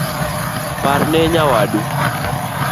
Parne nyawadu